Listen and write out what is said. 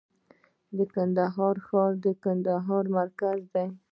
د کندهار ښار د کندهار مرکز دی